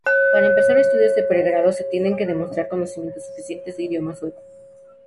Para empezar estudios de pregrado se tienen que demostrar conocimientos suficiente de idioma sueco.